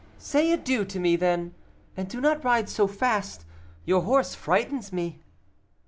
"Say adieu to me, then; and do not ride so fast your horse frightens me."